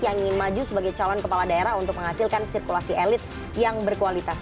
yang ingin maju sebagai calon kepala daerah untuk menghasilkan sirkulasi elit yang berkualitas